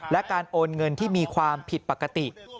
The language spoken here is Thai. และการโอนเงินที่มีความผิดปกติ